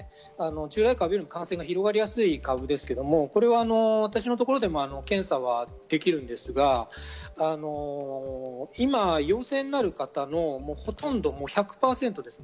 従来株より感染が広がりやすい株ですが、私のところでも検査はできるんですが、今陽性になる方のほとんど１００％ですね。